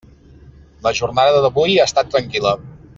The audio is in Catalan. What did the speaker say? La jornada d'avui ha estat tranquil·la.